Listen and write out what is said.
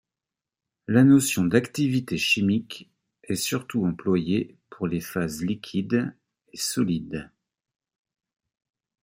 La notion d'activité chimique est surtout employée pour les phases liquide et solide.